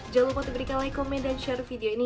jangan lupa diberikan like komen dan share video ini